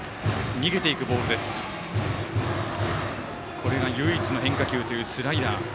今のが唯一の変化球というスライダー。